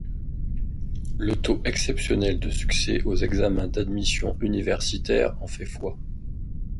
Le taux exceptionnel de succès aux examens d’admission universitaire en fait foi.